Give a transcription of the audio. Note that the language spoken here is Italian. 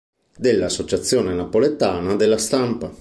Della Associazione Napoletana della Stampa